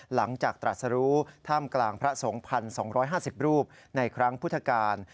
หลังจากตราสรุท่ามกลางพระสงฆ์๑๒๕๐รูปในครั้งพุทธกาล